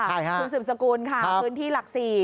คุณสืบสกุลค่ะพื้นที่หลัก๔